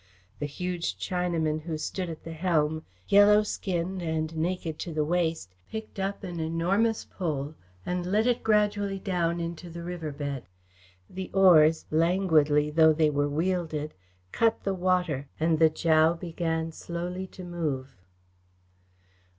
The huge Chinaman who stood at the helm, yellow skinned and naked to the waist, picked up an enormous pole and let it gradually down into the river bed. The oars, languidly though they were wielded, cut the water, and the dhow began slowly to move.